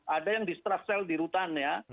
ada yang di strap sell di rutan ya